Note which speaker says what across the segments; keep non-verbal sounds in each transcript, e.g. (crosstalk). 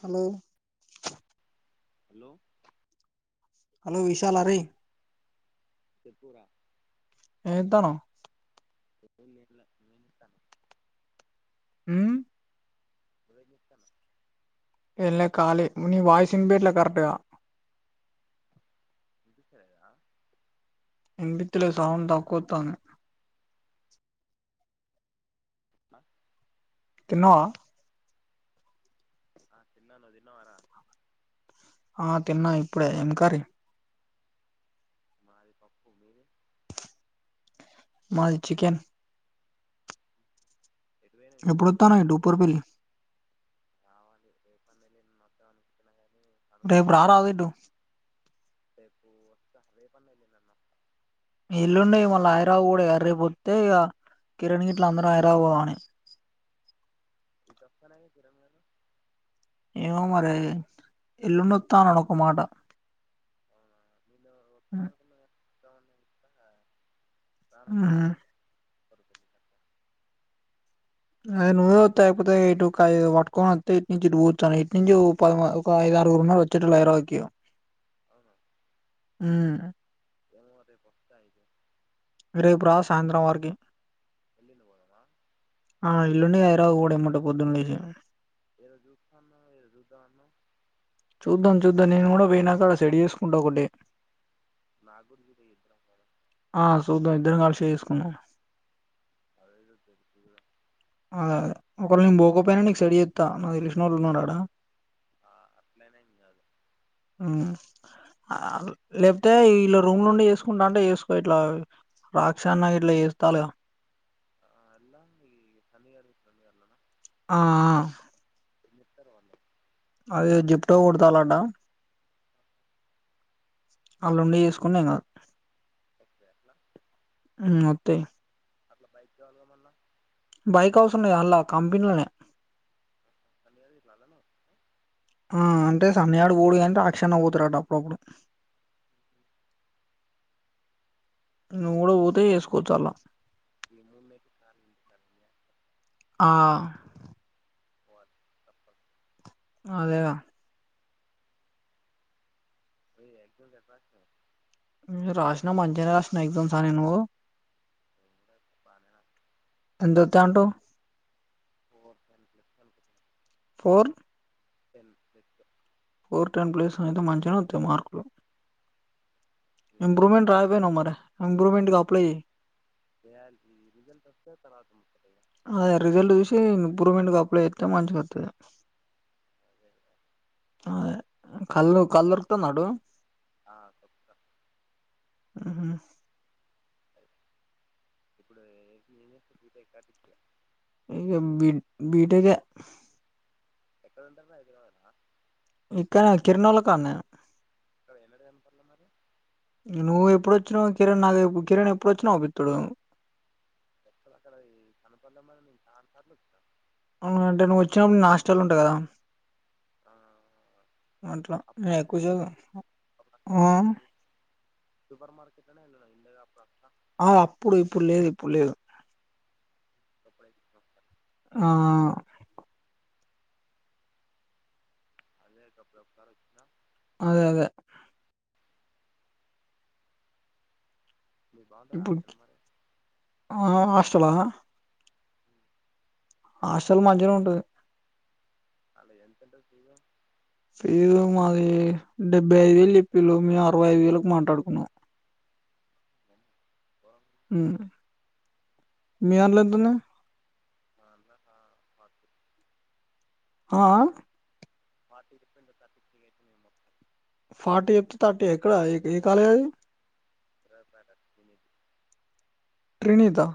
Speaker 1: హలోలో
Speaker 2: hello
Speaker 1: hello విశాల అరే
Speaker 2: చెప్పు ర
Speaker 1: ఏం చేస్తాన్నావ్
Speaker 2: ఏం చెల్లా
Speaker 1: అవు
Speaker 2: నువు ఆమె చేస్తావ
Speaker 1: లె కాలి వాయిస్ వినిపోయిల సరిగా
Speaker 2: వినిపిస్తలేదా
Speaker 1: నిమిత్లో సౌండ్ తక్కువతాను
Speaker 2: హ
Speaker 1: తినవ్
Speaker 2: హా తిన నువు తినవా రా
Speaker 1: ఆ తెన్నా ఇప్పుడే ఏ కర్రీ
Speaker 2: మారి పపూ మీరే
Speaker 1: మా చికెన్
Speaker 2: ఎటు పోయినావు
Speaker 1: ఎప్పుడు
Speaker 2: ఈరోజు
Speaker 1: వస్తునవ డిజైన్ పల్లి
Speaker 2: మన మత్తం అిన
Speaker 1: రేపు ర ర
Speaker 2: రేపు వస్త రేపు అన ఎల్లుండు అన
Speaker 1: ఇల్లుండేయి మళ్ళీ ఆయిరావు కూడా ఎర్ర్రిపోతే ఇక కిరణ్ గిట్ల అందరూ అయిరాబోగాని
Speaker 2: ఇటు వస్తాను అని
Speaker 1: ఏమో మరే ఎల్లున్న తా అనకో మాట
Speaker 2: అవునా నిన్న వస్తాను అనుకున్నా చాలాన్నడి
Speaker 1: అద నువ్వే వస్తా అయిపోతే ఇటుఐ పట్కొని వస్త ఇ నుంచి ఇ పతాను ఇ నుంచి ఐ వచ్చట్ రల ర
Speaker 2: అవునా
Speaker 1: ఉ
Speaker 2: ఏమ అయితే పస్తతాయితే
Speaker 1: రేపు రా సాయంత్రం వారికి
Speaker 2: వెళ్ళలు పోదదా
Speaker 1: ఆ ఇల్లుండి అయరా కూడాటే పొద్దున్న లే
Speaker 2: ఏరో జు ఏరో రుదాన్నా
Speaker 1: చూద్దాం చూద్దాం నేను కూడా పోయినాక అడ సెడ చేసుకుంటా ఒకటే
Speaker 2: నాకు కూడా చూడ ఇద్దరం పోదాం
Speaker 1: ఆ చూద్దాం ఇద్దరం కాలిసి చేసుకున్నా
Speaker 2: అదేద తెరుతుద
Speaker 1: అ ఆ ఒకరిళ నను పోకపోయినా నీకు సె ఎత్తా నావ తెలిసిన వాళ్ళు నోడా
Speaker 2: ఆ అట్లేనే ఇదు
Speaker 1: అ లేకపోతే ఇలా రూమ్ నుండి చేసుకుంటా అంటే చేసుకో ఇట్లా రాక్షన్న ఇట్లా చేస్తా అల గా
Speaker 2: ఎలా తనిరు తనియలే
Speaker 1: ఆ ఆ
Speaker 2: మత్తవాన్నా
Speaker 1: అవి జిప్టో కుడతాలంట అళ్లుుండి చేసుకునేం కాదు
Speaker 2: వస్తాయి అట్లా
Speaker 1: అ మోతే
Speaker 2: అట్లా బైక్ చ వాల మన్నా
Speaker 1: బైక్ అవసరన్నాయి అల్లా కంపెనీలనే
Speaker 2: లాబైక్ అవసరం లేదా
Speaker 1: ఆ అంటే సన్నయాడు పాడిగా అంట రాక్షణ పోతుారుట అప్పుడప్పుడు (inaudible) నువ్వు కూడా
Speaker 2: ఏమవుతుంది
Speaker 1: పోతే చేసుకోవచ్చు అలా
Speaker 2: ఈ మూడు నెలలు ఖాళీ ఇంటి ఖాళీ
Speaker 1: ఆ
Speaker 2: ఓప్ప
Speaker 1: అదేగా
Speaker 2: ఓ ఎదో వ్యాపార స
Speaker 1: రాసినా మంచిగానే రాసినా ఎగ్జామ్స్ అని నువ్వు
Speaker 2: నేను కూడా బాగానే రాశాను.
Speaker 1: ఎంతంతంటో
Speaker 2: హోమవర్క్ ఏం చేస్తావ్
Speaker 1: ఫోర్
Speaker 2: హెల్ప్ చేస్తా
Speaker 1: ఫోర్ టెన్ ప్లేస్ అయితే మంచి న వతే మార్కులు
Speaker 2: ఏ
Speaker 1: ఇంప్రూవమెంట్
Speaker 2: క్లాస్
Speaker 1: రాపోయి అరి ఇంప్రూవమెంట్పులే
Speaker 2: దయా రిజల్ట్ వస్త త ము
Speaker 1: అద రిజల్ట్ చూసి ఇంప్రూవ్మెంట్ గప్పులే చేస్తే మంచిగా వతుంది
Speaker 2: అదే కదా.
Speaker 1: అ కల్ కల్కుతన్నాడు
Speaker 2: ఆ, తప్ప.
Speaker 1: ఉహు
Speaker 2: అ ఇప్పుడు నను పూతయి కటి
Speaker 1: ఇక బడ్ బ్రేక్ ఏ
Speaker 2: ఎక్కడ ఉంటారు ఎఐదు కావదా
Speaker 1: ఇక్కనే కిరుణోల కాన్నే
Speaker 2: అ
Speaker 1: నువ్వు ఎప్పుడోచ్చినవో కిరణ్ నాకు కిరణ్ ఎప్పుడోచ్చినా అవుపిత్తడు
Speaker 2: (unintelligible) (unintelligible)
Speaker 1: అవున అంటే నువ్వు వచ్చినప్పుడు నేనాష్టల్లుంట గదా
Speaker 2: ఆ,
Speaker 1: అట్ల
Speaker 2: అప్పుడు
Speaker 1: నేనెక్కువ
Speaker 2: అక్కలు
Speaker 1: సేపు
Speaker 2: అప్పుడు అక్కలు సూపర్ మార్కెట్ల నే ఎల్లలేదు ఉండేదే అక్క
Speaker 1: ఆ అప్పుడు ఇప్పుడు లేదు ఇప్పుడు లేదు
Speaker 2: అప్పుడు వచ్చిన ఒకసారి.
Speaker 1: ఆ
Speaker 2: అదే గప్పుడొక్కసారొచ్నా
Speaker 1: అదదే
Speaker 2: మీరు బాగుంటుంది
Speaker 1: ఇప్పుడు
Speaker 2: హాస్టల్ మరి
Speaker 1: ఆ ఆ హాస్టలా హాస్టల్ మంచిగనే ఉంటది
Speaker 2: అల్ల ఎంతుంటది ఫీజు
Speaker 1: ఫీజు మాదీ డెబ్బై అయిదు వేలు చెప్పిల్లు మేము అరవై ఐదు వేలకు మాట్లాడుకున్నాం మ్మ్ మీ దాంట్లేంతున్నై
Speaker 2: మా అన్న కా పది
Speaker 1: ఆ ఆ
Speaker 2: ఫార్టీ చెప్పిండు థర్టీ కి ఫీజైపొయింది మొత్తం
Speaker 1: ఫార్టీ చెప్తే థర్టీ ఎక్కడ ఎ ఏ కాలేజది
Speaker 2: (unintelligible) జూనియర్ ది
Speaker 1: నీతో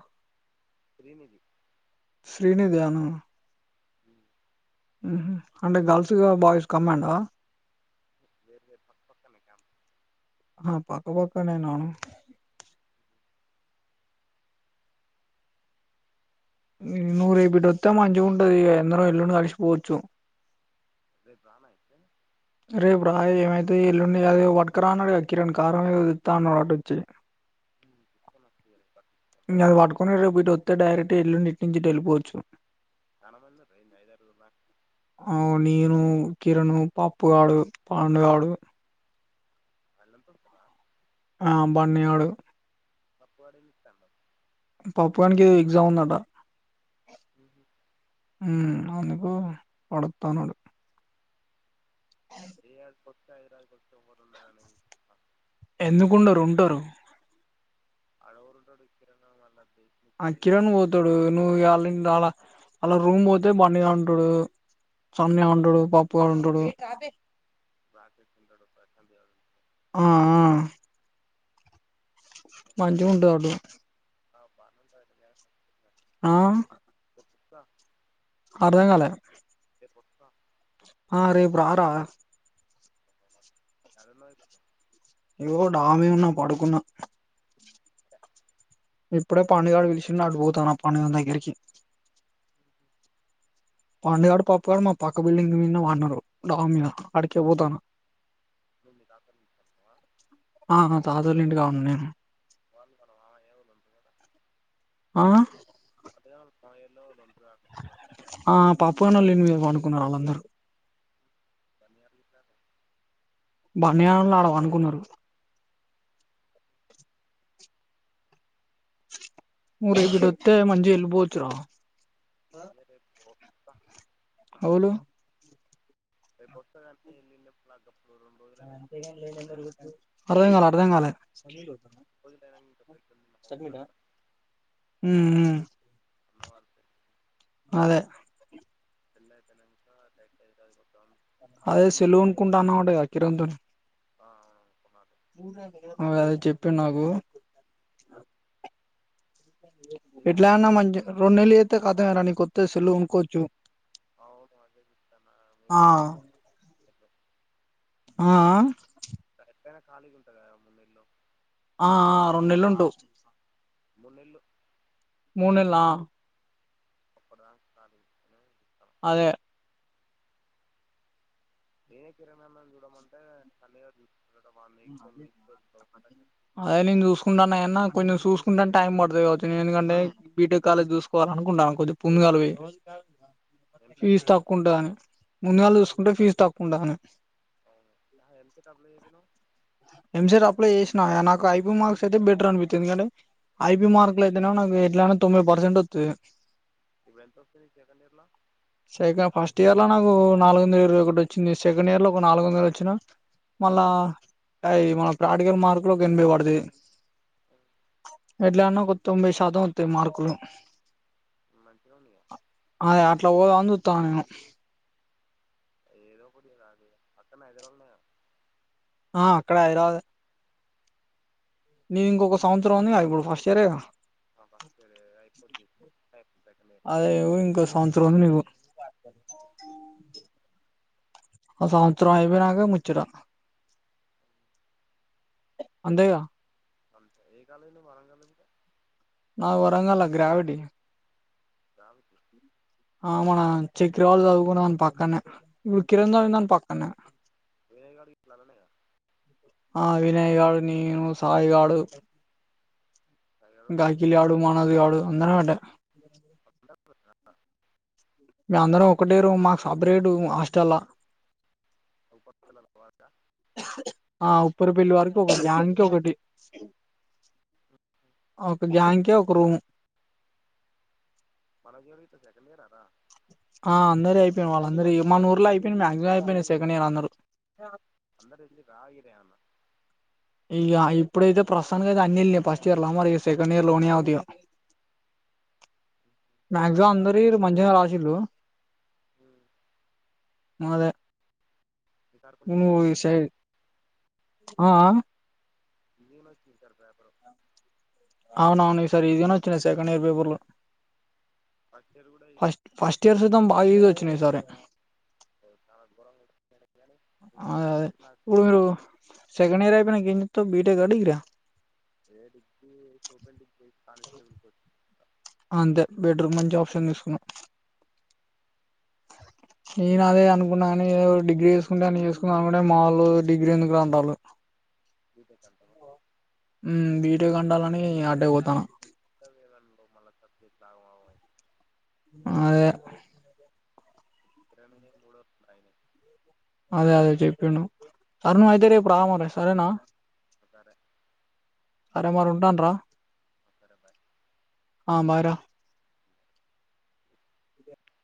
Speaker 2: శ్రీనిధి
Speaker 1: శ్రీనిదానూ
Speaker 2: అ
Speaker 1: అంటే గర్ల్స్ ఇగా బాయ్స్ కమ్మండా
Speaker 2: వేరు వేరు పక్క పక్కన్నే క్యాంప్
Speaker 1: ఆ పక్క పక్కన్నేనా ఇగ నువ్వు రేపిటొత్తే మంచిగుంటది ఇగ అందరం ఎల్లుండి కలిసి పోవచ్చు
Speaker 2: రేప్ రా మరి
Speaker 1: రేపు రా యే ఏమైతే ఎల్లుండి అదేదో పట్కరాన్నడట కిరణ్ కారం ఏదోదెత్తా అన్నవాట వచ్చి
Speaker 2: తీసుకొని వస్తుంది రేపు పట్టిస్తాను
Speaker 1: ఇంగది వట్టుకొని రేపిటొత్తే డైరెక్ట్ ఎల్లుండి ఇట్నుంచిటె ఎళ్ళిపోవచ్చు
Speaker 2: అన ముందు (unintelligible)
Speaker 1: కిరణు పప్పుగాడు పండుగాడు
Speaker 2: అల్లంతొత్తరా
Speaker 1: ఆ బన్నగాడు
Speaker 2: పప్పుగాడేంజెత్తాండ్రా
Speaker 1: పప్పుగానికీ ఎదో ఎగ్జామ్ ఉందంట
Speaker 2: మ్మ్.
Speaker 1: ఉమ్ అవును ఓవ్వ వాడొత్తానడు
Speaker 2: ఏ ఆడికొత్త ఐద్రాద్ కొత్తె ఎవ్వరుండరనీ
Speaker 1: ఎందుకుండరు ఉంటరు
Speaker 2: ఆడవురుంటలు ఇంటికాడ వాళ్లకి
Speaker 1: ఆ కిరణ్ పోతడూ నువ్వు ఇగ ఆళ్లీళ్ళు రాళ ఆల్ల రూమ్ బోతే బన్నిగాడుంటడూ సన్నగాడుంటడూ పప్పుగాడుంటడూ
Speaker 2: రాకేష్ ఉంటడు ప్రశాంత్ గాడు
Speaker 1: ఆ మంచిగుంటదప్పుడు
Speaker 2: ఆ బానే ఉంటది గాని
Speaker 1: ఆ
Speaker 2: ఇంకా
Speaker 1: అర్ధంగాలే
Speaker 2: వస్తా
Speaker 1: ఆ రేపు రా రా
Speaker 2: కలో
Speaker 1: ఏగో డమీ ఉన్నా పడుకున్నా ఇప్పుడే పండుగడు పలిషిండు అడ్డుపోతాన పందిగని దగ్గరికి పాండుగడు పాపగాడు మా పక్క బిల్డింగ్ మీద వాన్నారు డామ్ మీద ఆడికే పోతాను
Speaker 2: నుడి కాక
Speaker 1: ఉ ఆ
Speaker 2: (inaudible)
Speaker 1: ఆ పాప్పుగానేల ఇల్లు మీద పాడుకున్నారు వాళ్ళందరూ
Speaker 2: పనియరుతారు
Speaker 1: బనియానంలో ఆడ పడకున్నారు ఊరే ఎటోత్తే మంజిల్ పోతురు
Speaker 2: అది పోస్త
Speaker 1: ఆలూ
Speaker 2: రపుుస్తకన్ని ఇ పలా
Speaker 1: అర్దాం కాాల అర్దం కాాల
Speaker 2: పోదు ఇకాతు ఊర్ల
Speaker 1: ఉ అదే
Speaker 2: తెల్ అయితేనంతకా
Speaker 1: అదే సెలూన్ కుంట అన వాడేగా కిరతుని
Speaker 2: అవును అనుకున్నాను
Speaker 1: అ అదే చెప్పిడు నాకు
Speaker 2: లేదంటే
Speaker 1: ఎట్లా
Speaker 2: అట్లా
Speaker 1: అయిన్నా
Speaker 2: మా
Speaker 1: మంచి రెండు నెలలు అయితే కతమరా నీ కొొస్తే సెల్లు ఉనుకోవచ్చు
Speaker 2: అవును అదేదిస్తానా ఇ
Speaker 1: ఆ ఆ
Speaker 2: కా
Speaker 1: ఆ
Speaker 2: ఎైనా ఖాళీ ఉంటుంది కదా మున్న ఇళ్ళలో
Speaker 1: ఆ రెండు నెలలుంటావు
Speaker 2: మునులు
Speaker 1: మూనలా
Speaker 2: అప్పుడుదా సదు
Speaker 1: అదే
Speaker 2: ఏనే కర మ చూడమంట తన్న చూ
Speaker 1: అదే నేను చూసుకుంటానుయన్న కొంచెం చూసు చకుంట టైం పద అవుతుంది ఎందుకంటే బీటెక్ కాలేజ్ చూసుకోవాల అనుకుంటాను కొంచెం పుందుగాలు పోే
Speaker 2: ఎంసెట్
Speaker 1: ఫీజు
Speaker 2: రాని
Speaker 1: తక్కువ ఉంటు అని ముంద నేళ్ళలు చూసుకుంటే ఫీజు తక్కు ఉంటు అని
Speaker 2: (inaudible)
Speaker 1: ఎంసర్ అప్లై చేసినా నాకు ఐపీ మార్క్స్ అయితే బెటర్ అనిపిస్తుంది ఐపి మార్క్ లో అయితేనేకు ఎట్లా తొంభై పర్సెంట్ వవుతుంది
Speaker 2: ఇప్పుడు ఎంత వస్తుంది సెకండ్ ఇయర్లో
Speaker 1: సక ఫస్ట్ ఇయర్లా నాకు నాలుగు వందల ఇరవ ఒకటి వచ్చింది సెకండ్ ఇయర్ లో ఒక నాలుగు వందలు వచ్చిన మళ్ళా అ మన ప్రటికల్ మార్కులకు ఒక ఎనభై పడది ఎట్లాన్నా ఒక తొంభై శాతం వతాయి మార్కులు
Speaker 2: మంచిగా ఉంది కదా.
Speaker 1: అదే అట్లా పోద అందుతా నేను
Speaker 2: ఏదో పడి రా అది అక్కనే హైదరాళన్న
Speaker 1: ఆ అక్కడ అయి రాదు నేను ఇంకొక సంవత్సరం అని ఇప్పుడు ఫస్ట్ ఇయర్ే
Speaker 2: ఆ పక్ అరుగా
Speaker 1: అదే ఇంకో సంవత్సరం (inaudible) ఆ సంవత్సరం అయిపోయినక ముచ్చడ అంతేగా
Speaker 2: అంతే ఆ కాలేజ్ నువ్వు వార్న్
Speaker 1: నాకు వరంగల్లా గ్రావిటీ
Speaker 2: రావచ్చు
Speaker 1: అవునా చక్ర వాళ్ళు చదువుకుని పక్కనే విడు కిరణ్ గాడు ఉన్నాడు పాకనే
Speaker 2: వేరే కాడికి ఇట్లా అలానే కదా
Speaker 1: ఆ వినేయగాడు నేను సాయిగాడు
Speaker 2: హైదరాబాద్
Speaker 1: అఖిల్ గాడు మనోజ్ గాడు అందర అట
Speaker 2: అందరూ
Speaker 1: మ అందరం ఒకటే రూమ్ మాకు సపరేట్ హాస్టల్
Speaker 2: అప చల
Speaker 1: ఆ ఉప్పురి పెల్లి వారికి ఒకటి దానికి ఒకటి ఒక గ్యాంకే ఒక రూమ్
Speaker 2: మళ్ జోడ ఇతే సెకండ్ ఇయర్ అదా
Speaker 1: ఆ అందర అయిపోయి వాళ్ళ అందర మన ఊర్లో అయిపోయింది మ్యాయాక్సిమం అయిపోయినా సెకండ్ ఇయర్ అందరుూ
Speaker 2: అందరు వెళ్ళి రా ఇయరే అన్న
Speaker 1: ఇక ఇప్పుడైతే ప్రస్తునికి అయితే అన్ని వెళ్యి ఫస్ట్ ఇయర్ లో మరిక సెకండ్ ఇయర్ లోనే అవుతయో
Speaker 2: ఈ
Speaker 1: మ్యాక్జ
Speaker 2: పప్పు
Speaker 1: అందరి మంచిగానే రాసిళ్లు అదే
Speaker 2: ఈసారి కొన్ని
Speaker 1: నును
Speaker 2: ఈజీ
Speaker 1: విషై ఆ
Speaker 2: ఇీమచ్చతారు పపుర
Speaker 1: అవున అవును వి సార్ ఇదినా వచ్చ సెకండ్ ఇయర్ పేపుర్లో
Speaker 2: పచ్చ
Speaker 1: ఫస్ట్ ఫస్ట్ ఇయర్ సైతం బాగా ఈజ్ వచ్చినాయి ఈసారి
Speaker 2: చాలా దూరంగా వచ్చింది కానీ ఈ
Speaker 1: అద
Speaker 2: క్యాల్కులేట్
Speaker 1: ఇప్పుడు మీరు
Speaker 2: నాకు
Speaker 1: సెకండ్ ఇయర్ అయిపోయినాకా ఏం చేస్తావ్ బి టెక్ ఆ డిగ్రీ ఆ
Speaker 2: ఏ డిగ్రీ కూపె డిగ్రీ కానిస్టేబుల్ కొచ్చ
Speaker 1: అంతే బెటరూ మంచి ఆప్షన్ తీసుకున్నావు నేన అదే అనుకున్నాని డిగ్రీ వేసుకుంటే అని చేసుకున్నా అనుకుంటే మాళ్ళు డిగ్రీ ఎందుకు రా అంటాలు
Speaker 2: కంటమ
Speaker 1: వీటే కండాలని అడ్డేపోతాను
Speaker 2: ర మ స్య వ
Speaker 1: అదే
Speaker 2: ఇ మూడు వర్షంయిన
Speaker 1: అదే అదే చెప్పిం సర నువ్ అయితే రేపు రా మరీ సరేనా
Speaker 2: సరే
Speaker 1: సరే మరి ఉంటాను రా
Speaker 2: ఒకకరే బాయ
Speaker 1: బైయి రా